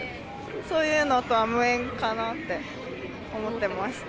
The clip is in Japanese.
そういうのとは無縁かなって思ってました。